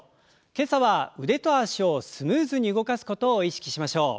今朝は腕と脚をスムーズに動かすことを意識しましょう。